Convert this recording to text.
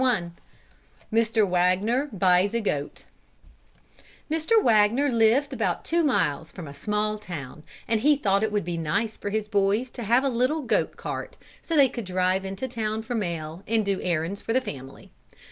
Mr. Wagner Buys a Goat Mr. Wagner lived about two miles from a small town, and he thought it would be nice for his boys to have a little goat cart, so they could drive into town for mail and do errands for the family.